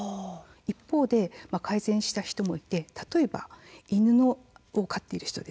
一方で改善した人もいて、例えば犬を飼っている人。